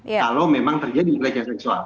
kalau memang terjadi pelecehan seksual